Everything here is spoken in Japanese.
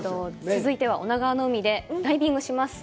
続いては女川の海でダイビングをします！